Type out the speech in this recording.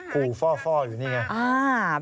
ขู่ฟ่ออยู่นี่ไง